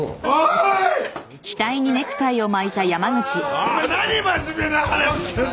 お前何真面目な話してんだよ。